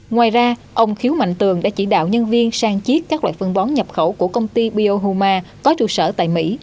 ngoài ra ông khiếu mạnh tường đã chỉ đạo nhân viên sang chiết các loại phân bón nhập khẩu của công ty biohoma có trụ sở tại mỹ